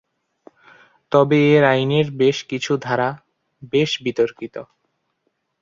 তবে এর আইনের বেশ কিছু ধারা বেশ বিতর্কিত।